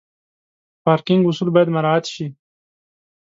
پارکینګ اصول باید مراعت شي.